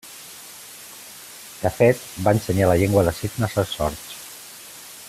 De fet, va ensenyar la llengua de signes als sords.